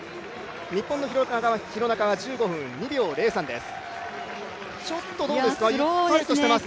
日本の廣中は１５分２秒０３です。